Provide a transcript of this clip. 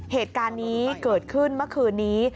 เหตุการณ์นี้เกิดขึ้นเมื่อคืนนี้